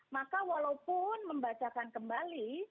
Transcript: maka walaupun membacakan kembali